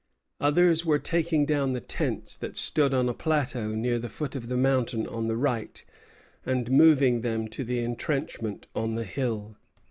Others were taking down the tents that stood on a plateau near the foot of the mountain on the right, and moving them to the entrenchment on the hill.